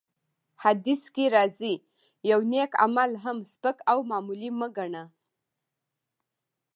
حديث کي راځي : يو نيک عمل هم سپک او معمولي مه ګڼه!